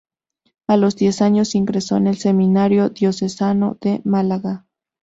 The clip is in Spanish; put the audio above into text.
A los diez años ingresó en el Seminario Diocesano de Málaga.